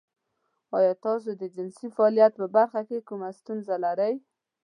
ایا تاسو د جنسي فعالیت په برخه کې کومه ستونزه لرئ؟